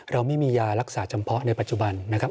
เราไม่มียารักษาจำเพาะในปัจจุบันนะครับ